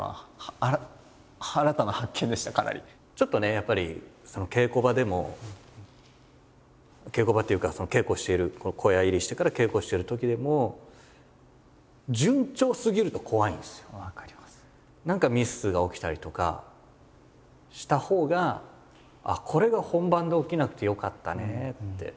ちょっとねやっぱり稽古場でも稽古場っていうか稽古している小屋入りしてから稽古してるときでも何かミスが起きたりとかしたほうがこれが本番で起きなくてよかったねって。